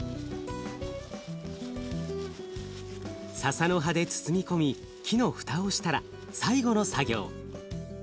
ささの葉で包み込み木の蓋をしたら最後の作業。